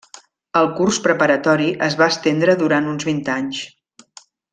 El curs preparatori es va estendre durant uns vint anys.